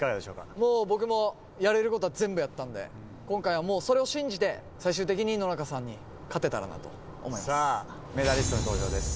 もう僕も、やれることは全部やったんで、今回はもう、それを信じて最終的に野中さんに勝てたメダリストの登場です。